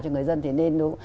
cho người dân thì nên đúng